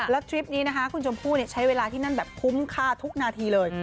แล้วทริปนี้นะคะคุณชมพู่ใช้เวลาที่นั่นแบบคุ้มค่าทุกนาทีเลย